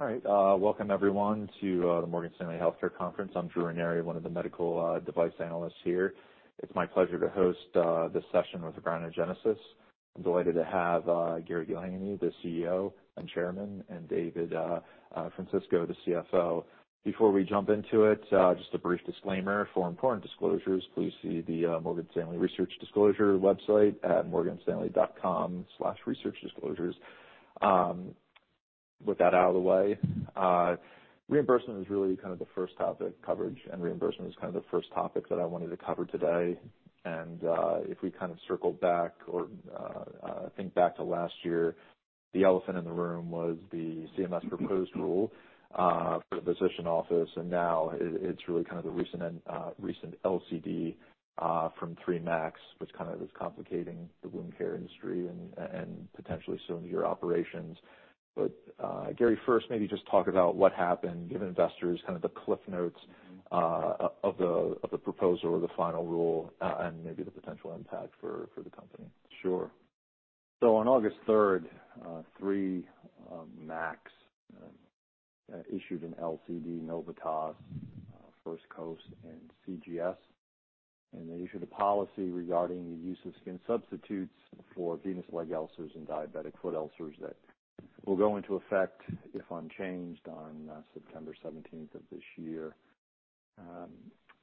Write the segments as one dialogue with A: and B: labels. A: All right, welcome everyone to the Morgan Stanley Healthcare Conference. I'm Drew Ranieri, one of the medical device analysts here. It's my pleasure to host this session with Organogenesis. I'm delighted to have Gary Gillheeney, the CEO and Chairman, and David Francisco, the CFO. Before we jump into it, just a brief disclaimer. For important disclosures, please see the Morgan Stanley Research Disclosure website at morganstanley.com/researchdisclosures. With that out of the way, reimbursement is really kind of the first topic, coverage and reimbursement is kind of the first topic that I wanted to cover today. If we kind of circle back or think back to last year, the elephant in the room was the CMS proposed rule for the physician office, and now it's really kind of the recent LCD from three MACs, which kind of is complicating the wound care industry and potentially some of your operations. But, Gary, first, maybe just talk about what happened. Give investors kind of the cliff notes of the proposal or the final rule and maybe the potential impact for the company.
B: Sure. So on August 3rd, three MACs issued an LCD, Novitas, First Coast, and CGS, and they issued a policy regarding the use of skin substitutes for venous leg ulcers and diabetic foot ulcers that will go into effect, if unchanged, on September seventeenth of this year.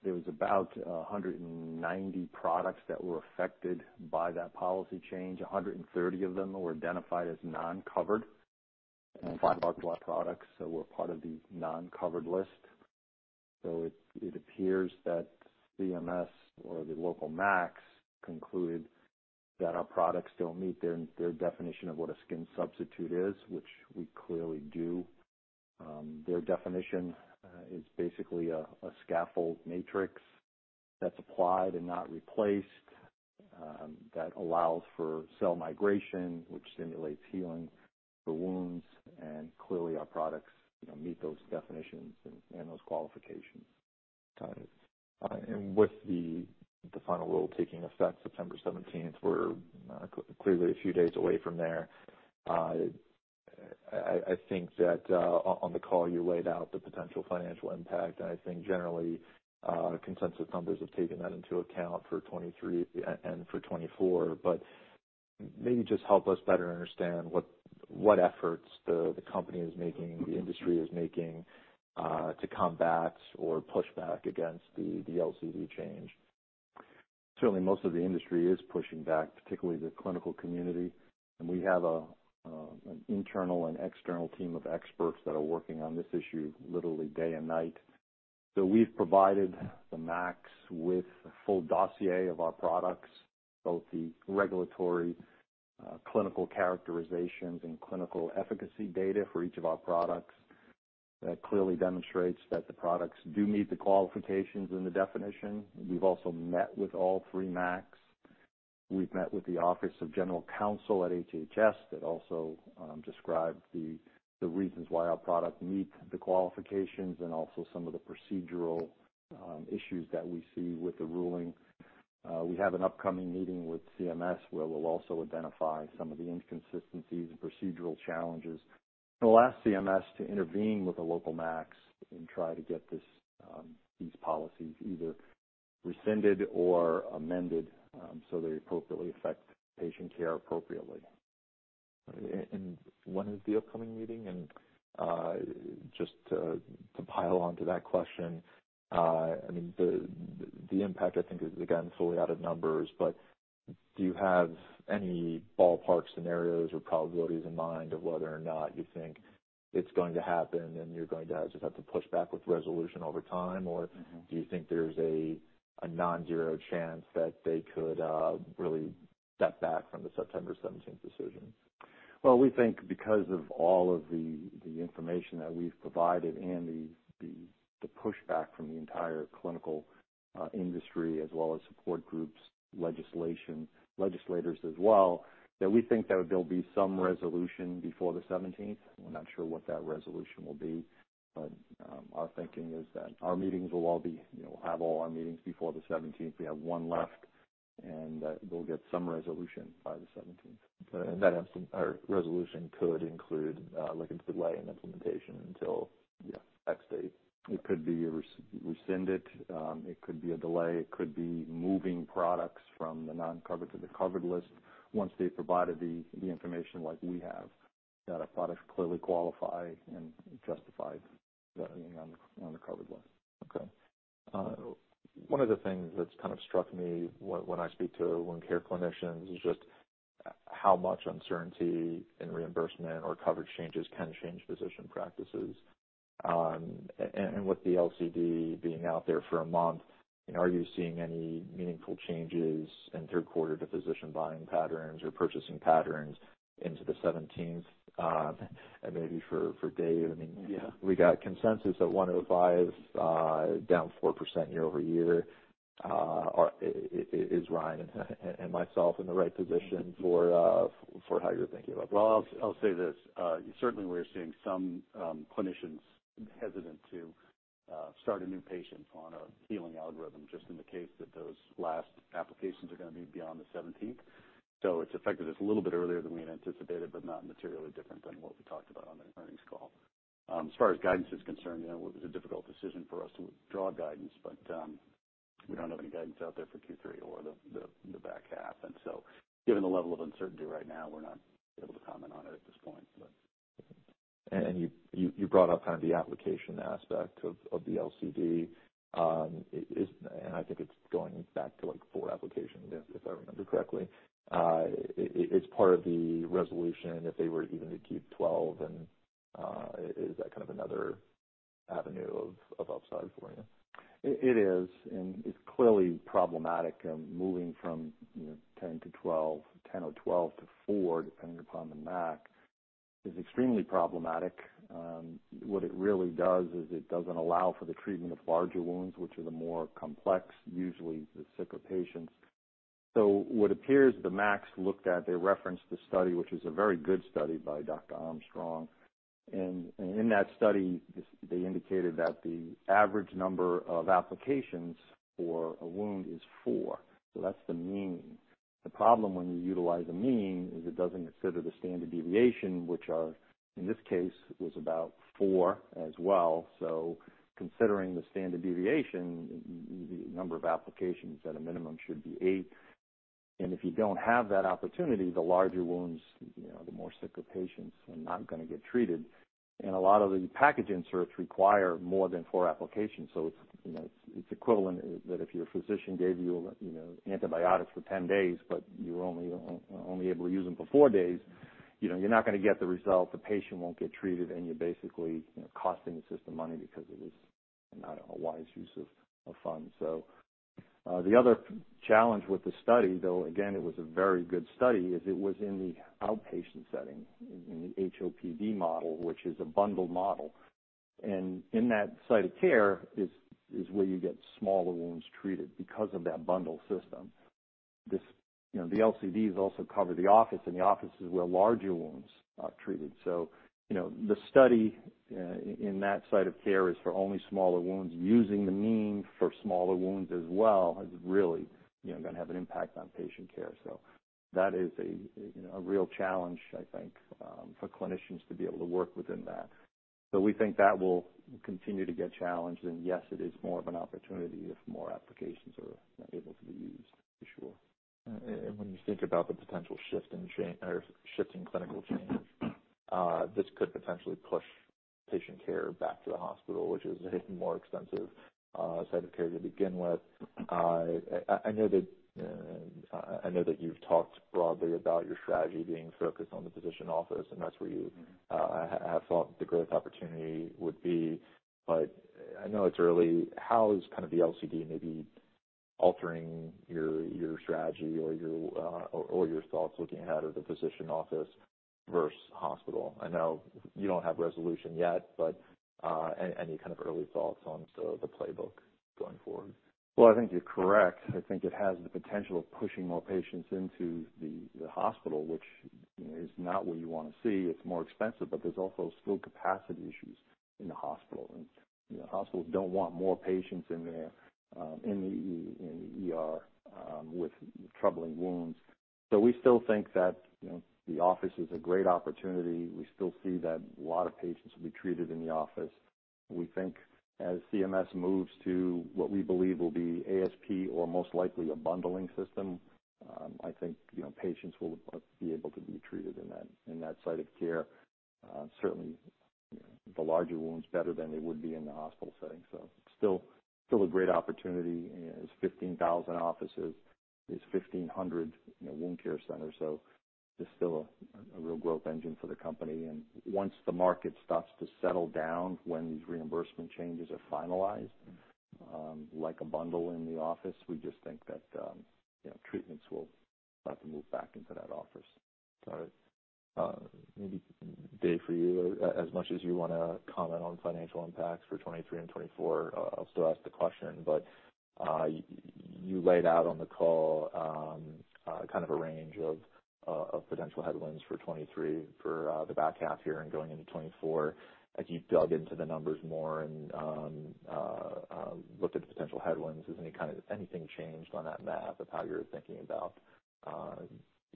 B: There was about 190 products that were affected by that policy change. 130 of them were identified as non-covered, and five of our products were part of the non-covered list. So it appears that CMS, or the local MACs, concluded that our products don't meet their definition of what a skin substitute is, which we clearly do. Their definition is basically a scaffold matrix that's applied and not replaced, that allows for cell migration, which stimulates healing for wounds, and clearly, our products, you know, meet those definitions and those qualifications.
A: Got it. And with the final rule taking effect September seventeenth, we're clearly a few days away from there. I think that on the call, you laid out the potential financial impact, and I think generally consensus numbers have taken that into account for 2023 and for 2024. But maybe just help us better understand what efforts the company is making, the industry is making, to combat or push back against the LCD change.
B: Certainly, most of the industry is pushing back, particularly the clinical community, and we have an internal and external team of experts that are working on this issue literally day and night. So we've provided the MACs with a full dossier of our products, both the regulatory, clinical characterizations and clinical efficacy data for each of our products. That clearly demonstrates that the products do meet the qualifications and the definition. We've also met with all three MACs. We've met with the Office of General Counsel at HHS that also described the reasons why our product meet the qualifications and also some of the procedural issues that we see with the ruling. We have an upcoming meeting with CMS, where we'll also identify some of the inconsistencies and procedural challenges, and we'll ask CMS to intervene with the local MACs and try to get this, these policies either rescinded or amended, so they appropriately affect patient care appropriately.
A: And when is the upcoming meeting? And, just to pile onto that question, I mean, the impact, I think, is again, fully out of numbers, but do you have any ballpark scenarios or probabilities in mind of whether or not you think it's going to happen, and you're going to just have to push back with resolution over time? Or do you think there's a non-zero chance that they could really step back from the September 15th decision?
B: Well, we think because of all of the information that we've provided and the pushback from the entire clinical industry, as well as support groups, legislation, legislators as well, that we think that there'll be some resolution before the seventeenth. We're not sure what that resolution will be, but our thinking is that our meetings will all be, you know, we'll have all our meetings before the seventeenth. We have one left, and we'll get some resolution by the seventeenth.
A: Okay, and that or resolution could include, like, a delay in implementation until-
B: Yeah...
A: X date?
B: It could be rescinded, it could be a delay, it could be moving products from the non-covered to the covered list, once they've provided the information like we have, that our products clearly qualify and justify being on the covered list.
A: Okay. One of the things that's kind of struck me when I speak to wound care clinicians is just how much uncertainty in reimbursement or coverage changes can change physician practices. And with the LCD being out there for a month, are you seeing any meaningful changes in third quarter to physician buying patterns or purchasing patterns into the seventeenth? And maybe for Dave, I mean-
B: Yeah.
A: We got consensus at 105, down 4% year-over-year. Is Ryan and myself in the right position for how you're thinking about this?
B: Well, I'll say this. Certainly we're seeing some clinicians hesitant to start a new patient on a healing algorithm, just in the case that those last applications are going to be beyond the seventeenth. So it's affected us a little bit earlier than we had anticipated, but not materially different than what we talked about on the earnings call. As far as guidance is concerned, you know, it was a difficult decision for us to withdraw guidance, but we don't have any guidance out there for Q3 or the back half. And so given the level of uncertainty right now, we're not able to comment on it at this point, but-
A: You brought up kind of the application aspect of the LCD. I think it's going back to, like, four applications, if I remember correctly. It's part of the resolution if they were even to keep 12, and is that kind of another avenue of upside for you?
B: It is, and it's clearly problematic. Moving from, you know, 10 to 12, 10 or 12 to 4, depending upon the MAC, is extremely problematic. What it really does is it doesn't allow for the treatment of larger wounds, which are the more complex, usually the sicker patients. So what appears the MACs looked at, they referenced the study, which is a very good study by Dr. Armstrong, and in that study, they indicated that the average number of applications for a wound is four. So that's the mean. The problem when you utilize a mean is it doesn't consider the standard deviation, which are, in this case, was about 4 as well. So considering the standard deviation, the number of applications at a minimum should be eight, and if you don't have that opportunity, the larger wounds, you know, the more sicker patients are not gonna get treated. And a lot of the package inserts require more than four applications. So it's, you know, it's equivalent that if your physician gave you, you know, antibiotics for 10 days, but you were only able to use them for four days, you know, you're not gonna get the result, the patient won't get treated, and you're basically, you know, costing the system money because it is not a wise use of funds. So, the other challenge with the study, though, again, it was a very good study, is it was in the outpatient setting, in the HOPD model, which is a bundled model. In that site of care is, is where you get smaller wounds treated because of that bundle system. This, you know, the LCDs also cover the office, and the office is where larger wounds are treated. So, you know, the study in that site of care is for only smaller wounds. Using the mean for smaller wounds as well is really, you know, gonna have an impact on patient care. So that is a, you know, a real challenge, I think, for clinicians to be able to work within that. But we think that will continue to get challenged. Yes, it is more of an opportunity if more applications are able to be used for sure.
A: When you think about the potential shift in change or shift in clinical change, this could potentially push patient care back to the hospital, which is a more expensive site of care to begin with. I know that you've talked broadly about your strategy being focused on the physician office, and that's where you have thought the growth opportunity would be. But I know it's early. How is kind of the LCD maybe altering your strategy or your thoughts looking ahead of the physician office versus hospital? I know you don't have resolution yet, but any kind of early thoughts on the playbook going forward?
B: Well, I think you're correct. I think it has the potential of pushing more patients into the hospital, which, you know, is not what you want to see. It's more expensive, but there's also still capacity issues in the hospital, and, you know, hospitals don't want more patients in there in the ER with troubling wounds. So we still think that, you know, the office is a great opportunity. We still see that a lot of patients will be treated in the office. We think as CMS moves to what we believe will be ASP or most likely a bundling system, I think, you know, patients will be able to be treated in that site of care. Certainly, the larger wounds, better than they would be in the hospital setting. So still a great opportunity. It's 15,000 offices. It's 1,500, you know, wound care centers, so there's still a, a real growth engine for the company. And once the market starts to settle down, when these reimbursement changes are finalized, like a bundle in the office, we just think that, you know, treatments will start to move back into that office.
A: Got it. Maybe Dave, for you, as much as you want to comment on financial impacts for 2023 and 2024, I'll still ask the question. But you laid out on the call kind of a range of potential headwinds for 2023, for the back half here and going into 2024. As you've dug into the numbers more and looked at the potential headwinds, has anything changed on that map of how you're thinking about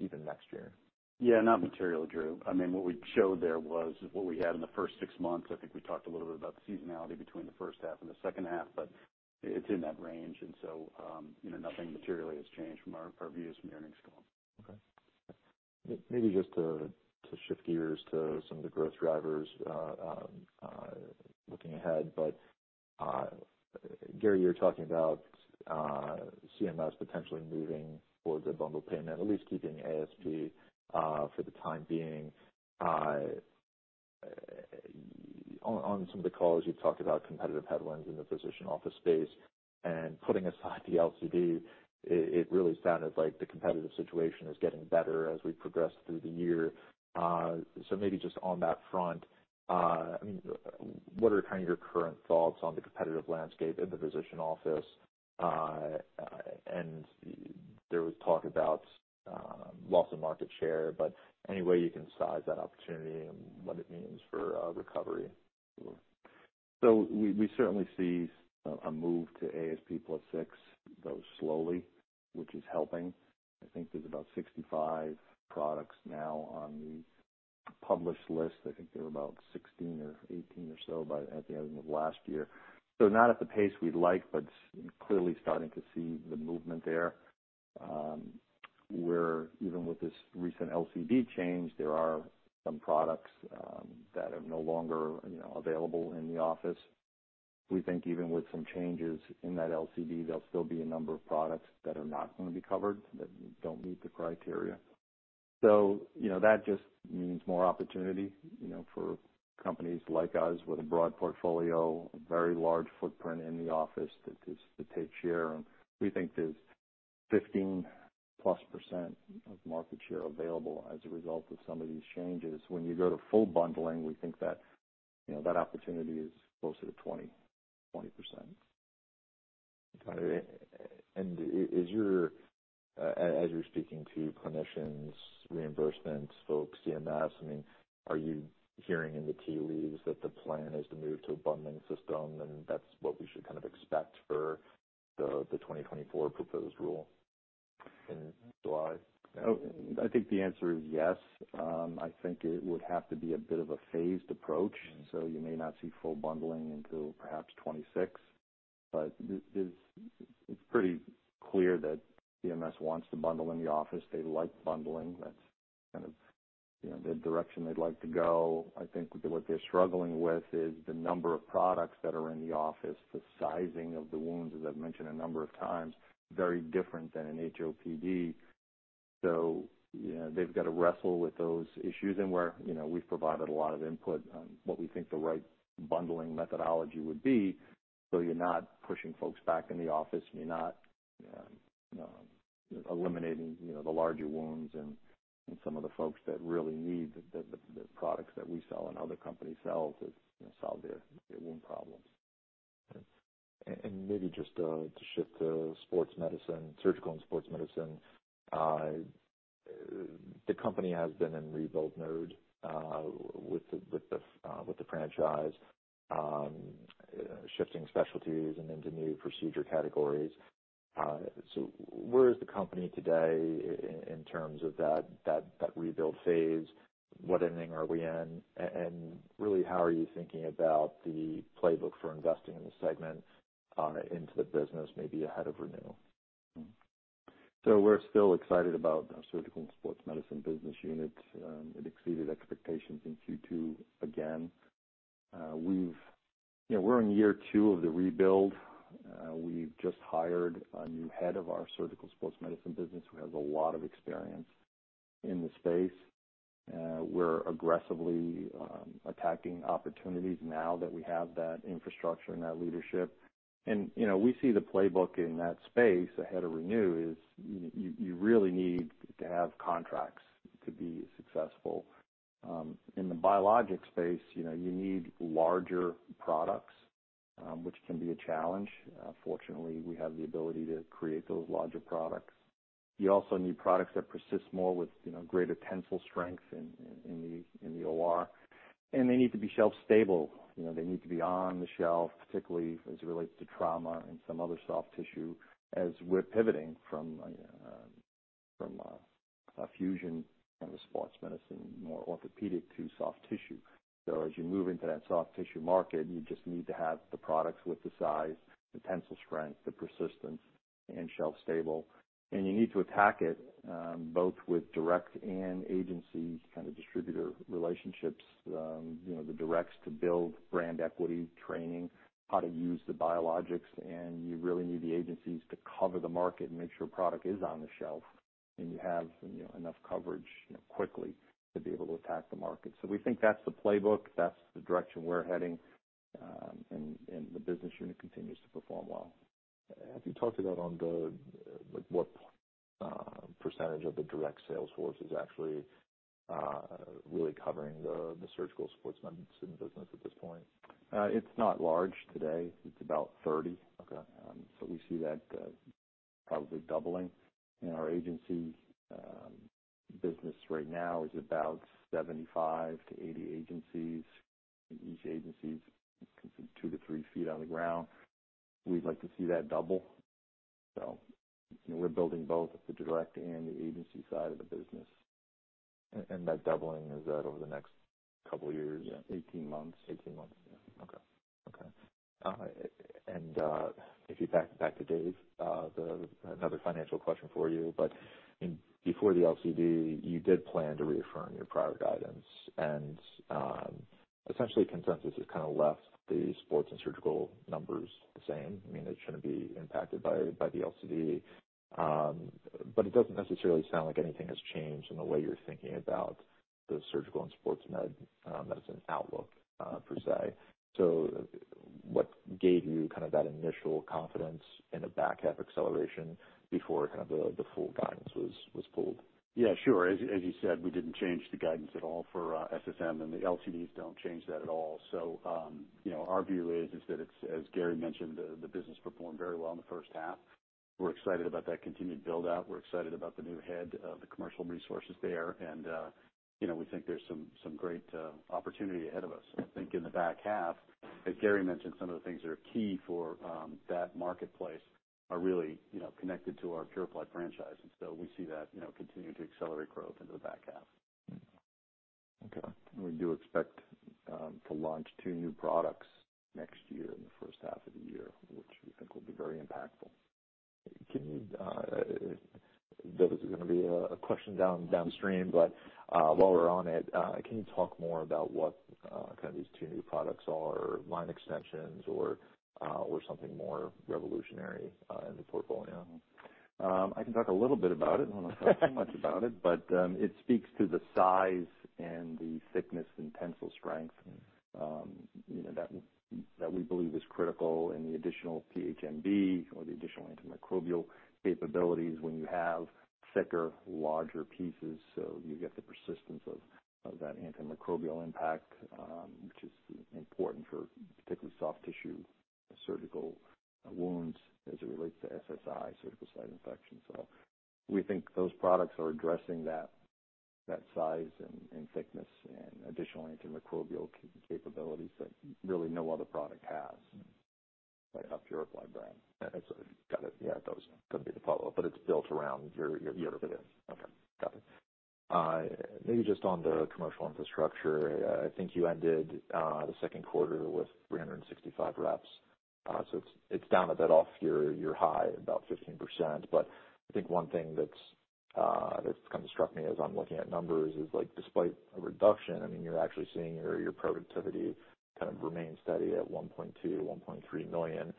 A: even next year?
C: Yeah, not materially, Drew. I mean, what we showed there was what we had in the first six months. I think we talked a little bit about the seasonality between the first half and the second half, but it's in that range, and so, you know, nothing materially has changed from our views from the earnings call.
A: Okay. Maybe just to shift gears to some of the growth drivers, looking ahead, but, Gary, you're talking about, CMS potentially moving towards a bundled payment, at least keeping ASP, for the time being. On some of the calls, you've talked about competitive headwinds in the physician office space, and putting aside the LCD, it really sounded like the competitive situation is getting better as we progress through the year. So maybe just on that front, I mean, what are kind of your current thoughts on the competitive landscape in the physician office? And there was talk about, loss of market share, but any way you can size that opportunity and what it means for, recovery?...
B: So we certainly see a move to ASP plus six, though slowly, which is helping. I think there's about 65 products now on the published list. I think there were about 16 or 18 or so by the end of last year. So not at the pace we'd like, but clearly starting to see the movement there. Where even with this recent LCD change, there are some products that are no longer, you know, available in the office. We think even with some changes in that LCD, there'll still be a number of products that are not going to be covered, that don't meet the criteria. So, you know, that just means more opportunity, you know, for companies like us with a broad portfolio, a very large footprint in the office, to take share. We think there's 15%+ of market share available as a result of some of these changes. When you go to full bundling, we think that, you know, that opportunity is closer to 20, 20%.
A: Got it. And is your, as you're speaking to clinicians, reimbursements, folks, CMS, I mean, are you hearing in the tea leaves that the plan is to move to a bundling system, and that's what we should kind of expect for the 2024 proposed rule in July?
B: Oh, I think the answer is yes. I think it would have to be a bit of a phased approach. So you may not see full bundling until perhaps 2026, but it's pretty clear that CMS wants to bundle in the office. They like bundling. That's kind of, you know, the direction they'd like to go. I think what they're struggling with is the number of products that are in the office, the sizing of the wounds, as I've mentioned a number of times, very different than an HOPD. So, you know, they've got to wrestle with those issues and where, you know, we've provided a lot of input on what we think the right bundling methodology would be. So you're not pushing folks back in the office, and you're not eliminating, you know, the larger wounds and some of the folks that really need the products that we sell and other companies sell to, you know, solve their wound problems.
A: Maybe just to shift to sports medicine, surgical and sports medicine, the company has been in rebuild mode, with the franchise shifting specialties and into new procedure categories. So where is the company today in terms of that rebuild phase? What inning are we in? And really, how are you thinking about the playbook for investing in the segment, into the business, maybe ahead of ReNu?
B: We're still excited about our surgical and sports medicine business unit. It exceeded expectations in Q2 again. You know, we're in year two of the rebuild. We've just hired a new head of our surgical sports medicine business, who has a lot of experience in the space. We're aggressively attacking opportunities now that we have that infrastructure and that leadership. You know, we see the playbook in that space ahead of ReNu. You really need to have contracts to be successful. In the biologic space, you know, you need larger products, which can be a challenge. Fortunately, we have the ability to create those larger products. You also need products that persist more with, you know, greater tensile strength in the OR, and they need to be shelf stable. You know, they need to be on the shelf, particularly as it relates to trauma and some other soft tissue, as we're pivoting from a fusion kind of sports medicine, more orthopedic to soft tissue. So as you move into that soft tissue market, you just need to have the products with the size, the tensile strength, the persistence and shelf stable. And you need to attack it both with direct and agency kind of distributor relationships. You know, the directs to build brand equity training, how to use the biologics, and you really need the agencies to cover the market and make sure product is on the shelf, and you have, you know, enough coverage, you know, quickly to be able to attack the market. So we think that's the playbook, that's the direction we're heading, and the business unit continues to perform well.
A: Have you talked about on the, like, what percentage of the direct sales force is actually, really covering the surgical sports medicine business at this point?
B: It's not large today. It's about 30.
A: Okay.
B: So we see that probably doubling. And our agency business right now is about 75-80 agencies. Each agency is 2-3 ft on the ground. We'd like to see that double. So we're building both the direct and the agency side of the business.
A: And that doubling, is that over the next couple of years?
B: Yeah, 18 months.
A: 18 months.
B: Yeah.
A: Okay. And if you back to Dave, another financial question for you, but before the LCD, you did plan to reaffirm your prior guidance, and essentially, consensus has kind of left the sports and surgical numbers the same. I mean, it shouldn't be impacted by the LCD, but it doesn't necessarily sound like anything has changed in the way you're thinking about the surgical and sports med medicine outlook, per se. So what gave you kind of that initial confidence in a back half acceleration before the full guidance was pulled?
C: Yeah, sure. As you said, we didn't change the guidance at all for SSM, and the LCDs don't change that at all. So, you know, our view is that it's, as Gary mentioned, the business performed very well in the first half. ...We're excited about that continued build-out. We're excited about the new head of the commercial resources there, and, you know, we think there's some great opportunity ahead of us. I think in the back half, as Gary mentioned, some of the things that are key for that marketplace are really, you know, connected to our PuraPly franchise. And so we see that, you know, continuing to accelerate growth into the back half.
A: Okay.
B: We do expect to launch two new products next year, in the first half of the year, which we think will be very impactful.
A: Can you, this is gonna be a question downstream, but while we're on it, can you talk more about what kind of these two new products are, line extensions or or something more revolutionary in the portfolio?
B: I can talk a little bit about it. I don't want to talk too much about it, but it speaks to the size and the thickness and tensile strength, you know, that, that we believe is critical, and the additional PHMB, or the additional antimicrobial capabilities when you have thicker, larger pieces, so you get the persistence of, of that antimicrobial impact, which is important for particularly soft tissue surgical wounds as it relates to SSI, surgical site infections. So we think those products are addressing that, that size and, and thickness and additional antimicrobial capabilities that really no other product has, but a PuraPly brand.
A: Got it. Yeah, that was gonna be the follow-up, but it's built around your, your-
B: It is.
A: Okay, got it. Maybe just on the commercial infrastructure, I think you ended the second quarter with 365 reps. So it's down a bit off your high, about 15%. But I think one thing that's kind of struck me as I'm looking at numbers is, like, despite a reduction, I mean, you're actually seeing your productivity kind of remain steady at $1.2 million-$1.3 million.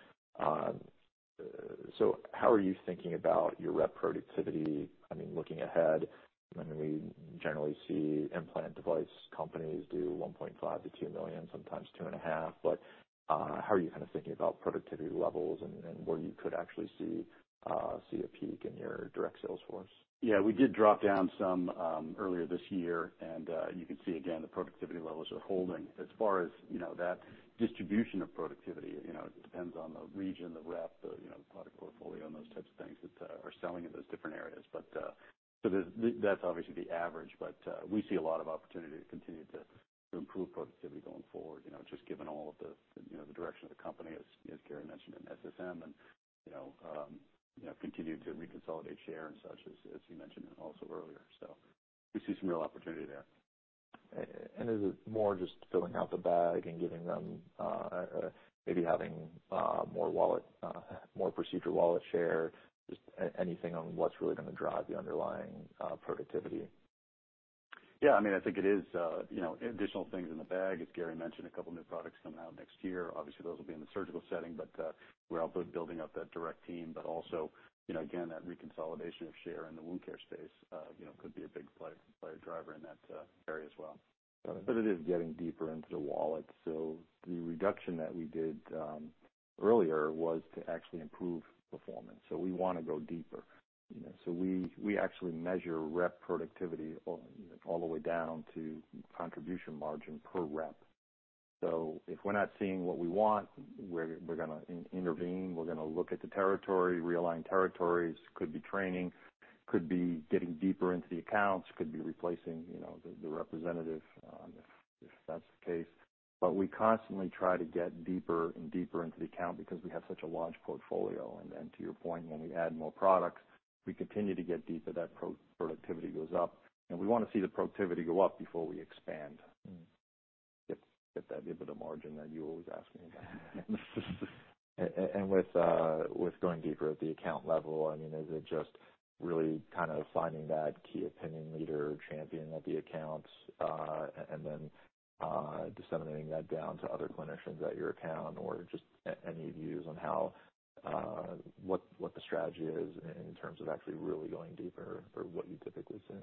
A: So how are you thinking about your rep productivity, I mean, looking ahead? I mean, we generally see implant device companies do $1.5 million-$2 million, sometimes $2.5 million, but how are you kind of thinking about productivity levels and where you could actually see a peak in your direct sales force?
B: Yeah, we did drop down some earlier this year, and you can see again, the productivity levels are holding. As far as, you know, that distribution of productivity, you know, it depends on the region, the rep, the, you know, product portfolio, and those types of things that are selling in those different areas. But, so that's obviously the average, but we see a lot of opportunity to continue to improve productivity going forward, you know, just given all of the, you know, the direction of the company, as Gary mentioned in SSM, and, you know, continue to reconsolidate share and such as, as he mentioned also earlier. So we see some real opportunity there.
A: Is it more just filling out the bag and giving them, maybe having, more wallet, more procedure wallet share? Just anything on what's really gonna drive the underlying productivity.
B: Yeah, I mean, I think it is, you know, additional things in the bag. As Gary mentioned, a couple new products coming out next year. Obviously, those will be in the surgical setting, but, we're also building up that direct team, but also, you know, again, that reconsolidation of share in the wound care space, you know, could be a big play, player driver in that, area as well. But it is getting deeper into the wallet, so the reduction that we did, earlier was to actually improve performance. So we want to go deeper. You know, so we, we actually measure rep productivity all, you know, all the way down to contribution margin per rep. So if we're not seeing what we want, we're gonna intervene, we're gonna look at the territory, realign territories, could be training, could be getting deeper into the accounts, could be replacing, you know, the representative, if that's the case. But we constantly try to get deeper and deeper into the account because we have such a large portfolio. And to your point, when we add more products, we continue to get deeper, that productivity goes up. And we want to see the productivity go up before we expand. Get that bit of the margin that you're always asking about.
A: With going deeper at the account level, I mean, is it just really kind of finding that key opinion leader or champion at the accounts, and then disseminating that down to other clinicians at your account? Or just any views on how, what the strategy is in terms of actually really going deeper or what you typically see?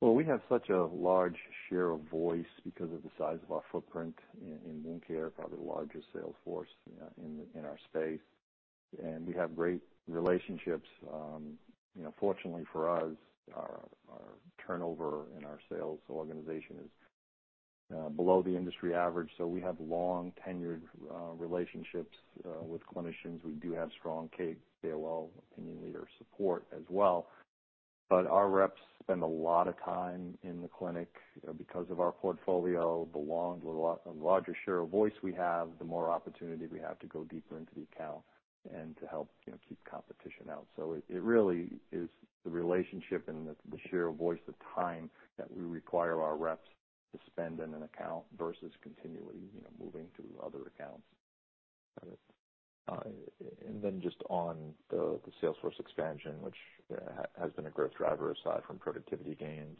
B: Well, we have such a large share of voice because of the size of our footprint in wound care, probably the largest sales force in our space, and we have great relationships. You know, fortunately for us, our turnover in our sales organization is below the industry average, so we have long-tenured relationships with clinicians. We do have strong KOL opinion leader support as well. But our reps spend a lot of time in the clinic because of our portfolio, the larger share of voice we have, the more opportunity we have to go deeper into the account and to help, you know, keep competition out. So it really is the relationship and the share of voice, the time that we require our reps to spend in an account versus continually, you know, moving to other accounts.
A: Got it. And then just on the, the sales force expansion, which, has been a growth driver aside from productivity gains,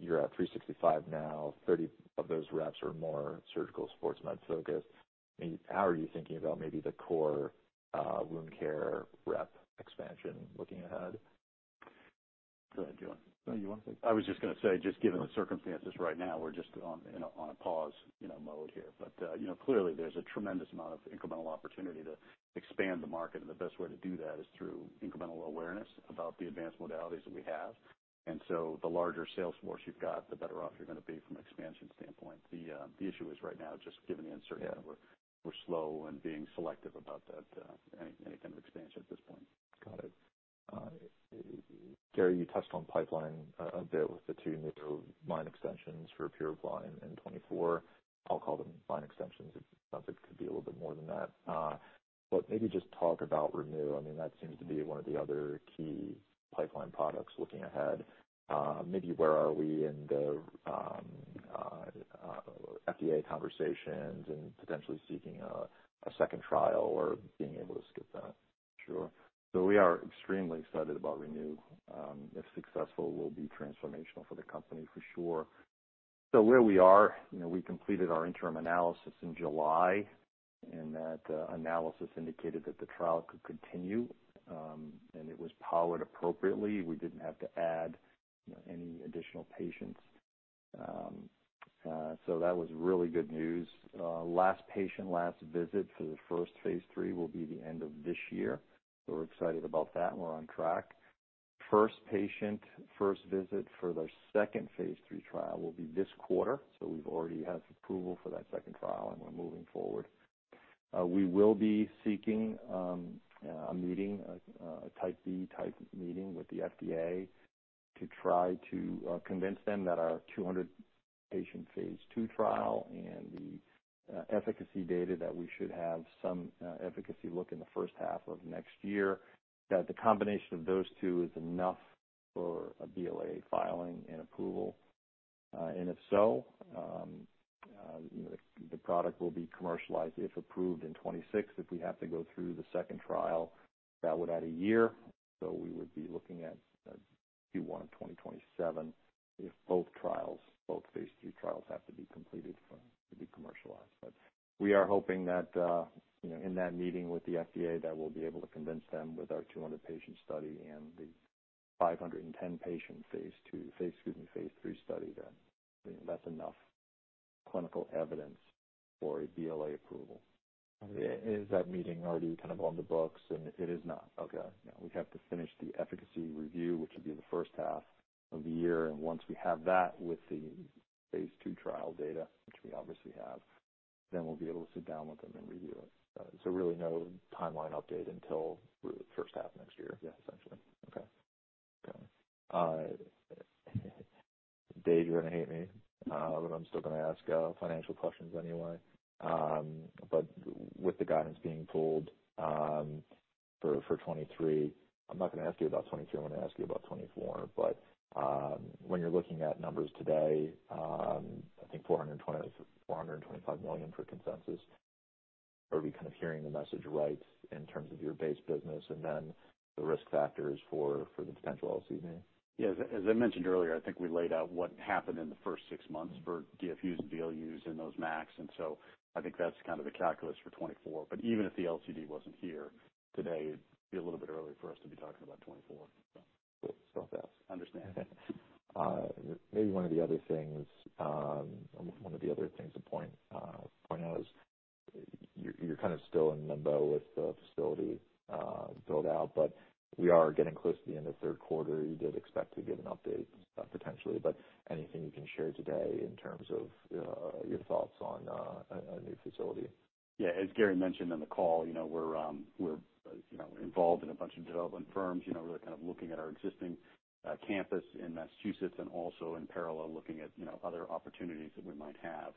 A: you're at 365 now, 30 of those reps are more surgical sports med focused. I mean, how are you thinking about maybe the core, wound care rep expansion looking ahead?
B: Go ahead, do you want? No, you want to. I was just gonna say, just given the circumstances right now, we're just on a pause, you know, mode here. But, you know, clearly there's a tremendous amount of incremental opportunity to expand the market, and the best way to do that is through incremental awareness about the advanced modalities that we have. And so the larger sales force you've got, the better off you're going to be from an expansion standpoint. The issue is right now, just given the uncertainty, we're slow and being selective about that, any kind of expansion at this point.
A: Got it. Gary, you touched on pipeline a bit with the two new line extensions for PuraPly in 2024. I'll call them line extensions. It sounds like it could be a little bit more than that. But maybe just talk about ReNu. I mean, that seems to be one of the other key pipeline products looking ahead. Maybe where are we in the FDA conversations and potentially seeking a second trial or being able to skip that?
B: Sure. So we are extremely excited about Renew. If successful, will be transformational for the company for sure. So where we are, you know, we completed our interim analysis in July, and that analysis indicated that the trial could continue, and it was powered appropriately. We didn't have to add, you know, any additional patients. So that was really good news. Last patient, last visit for the first phase III will be the end of this year. So we're excited about that, and we're on track. First patient, first visit for the second phase III trial will be this quarter. So we've already have approval for that second trial, and we're moving forward. We will be seeking a meeting, a Type B meeting with the FDA to try to convince them that our 200-patient phase II trial and the efficacy data, that we should have some efficacy look in the first half of next year, that the combination of those two is enough for a BLA filing and approval. And if so, the product will be commercialized, if approved, in 2026. If we have to go through the second trial, that would add a year. So we would be looking at Q1 of 2027 if both trials, both phase III trials, have to be completed for it to be commercialized. But we are hoping that, you know, in that meeting with the FDA, that we'll be able to convince them with our 200-patient study and the 510-patient phase II, phase, excuse me, phase 3 study, that, that's enough clinical evidence for a BLA approval.
A: Is that meeting already kind of on the books?
B: It is not.
A: Okay.
B: Yeah. We have to finish the efficacy review, which will be the first half of the year. Once we have that with the phase 2 trial data, which we obviously have, then we'll be able to sit down with them and review it.
A: Really, no timeline update until the first half of next year?
B: Yes, essentially.
A: Okay. Dave, you're going to hate me, but I'm still going to ask financial questions anyway. But with the guidance being pulled for 2023. I'm not going to ask you about 2023. I'm going to ask you about 2024. But when you're looking at numbers today, I think $420 million-$425 million for consensus. Are we kind of hearing the message right in terms of your base business and then the risk factors for the potential LCD?
C: Yeah, as I mentioned earlier, I think we laid out what happened in the first six months for DFUs and VLUs and those MACs, and so I think that's kind of the calculus for 2024. But even if the LCD wasn't here today, it'd be a little bit early for us to be talking about 2024.
A: So, understand. Maybe one of the other things to point out is you're kind of still in limbo with the facility build out, but we are getting close to the end of the third quarter. You did expect to give an update, potentially, but anything you can share today in terms of your thoughts on a new facility?
C: Yeah. As Gary mentioned on the call, you know, we're, we're involved in a bunch of development firms. You know, we're kind of looking at our existing campus in Massachusetts and also in parallel, looking at, you know, other opportunities that we might have.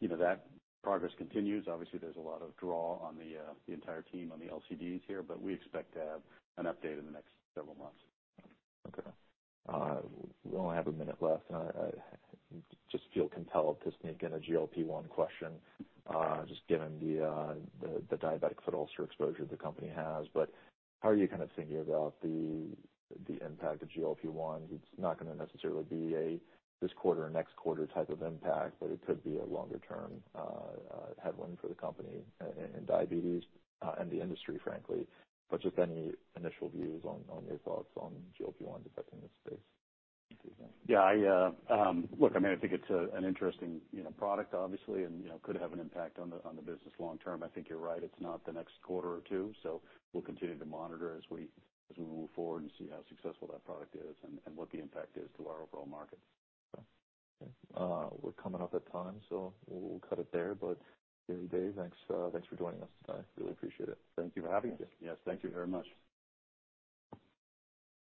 C: You know, that progress continues. Obviously, there's a lot of draw on the entire team on the LCDs here, but we expect to have an update in the next several months.
A: Okay. We only have a minute left, and I just feel compelled to sneak in a GLP-1 question, just given the diabetic foot ulcer exposure the company has. But how are you kind of thinking about the impact of GLP-1? It's not going to necessarily be a this quarter or next quarter type of impact, but it could be a longer term headwind for the company in diabetes, and the industry, frankly. But just any initial views on your thoughts on GLP-1 affecting this space?
C: Yeah. Look, I mean, I think it's an interesting, you know, product, obviously, and, you know, could have an impact on the business long term. I think you're right, it's not the next quarter or two. So we'll continue to monitor as we move forward and see how successful that product is and what the impact is to our overall market.
A: We're coming up on time, so we'll cut it there. But Gary, Dave, thanks for joining us today. Really appreciate it.
B: Thank you for having us.
C: Yes, thank you very much.